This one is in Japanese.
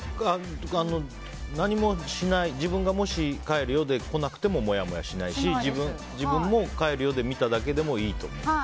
何もしない自分がもし帰るよで来なくてもモヤモヤしないし自分も帰るよで見ただけでもいいってことですか。